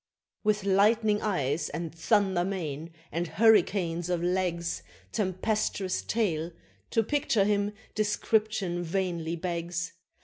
With lightning eyes, and thunder mane, and hurricanes of legs, Tempestuous tail to picture him description vainly begs!